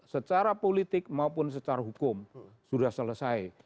secara politik maupun secara hukum sudah selesai